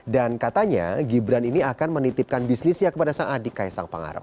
dan katanya gibran ini akan menitipkan bisnisnya kepada sang adik kayak sang pengaruh